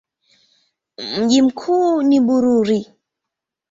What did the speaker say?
Mji mkuu ni Bururi.